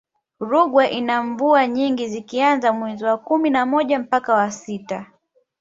rungwe ina mvua nyingi zikianza mwez wa kumi na moja mpaka wa sita